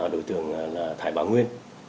đối tượng là thái bang nguyên